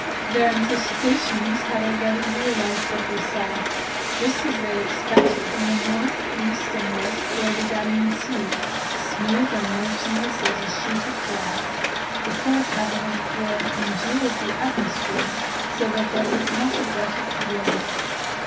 Their anticipations had already realized what they saw. Just as they expected, on the north, east, and west lay the Gallian Sea, smooth and motionless as a sheet of glass, the cold having, as it were, congealed the atmosphere so that there was not a breath of wind.